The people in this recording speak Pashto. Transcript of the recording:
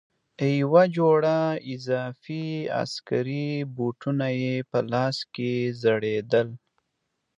یوه جوړه اضافي عسکري بوټان یې په لاس کې ځړېدل.